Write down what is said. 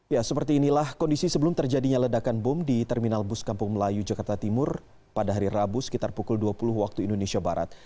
ya seperti inilah kondisi sebelum terjadinya ledakan bom di terminal bus kampung melayu jakarta timur pada hari rabu sekitar pukul dua puluh waktu indonesia barat